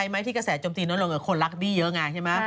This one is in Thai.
มึง